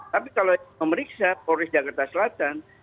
tapi kalau memeriksa polres jakarta selatan